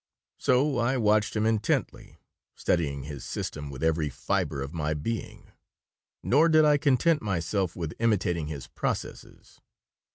So I watched him intently, studying his system with every fiber of my being. Nor did I content myself with imitating his processes.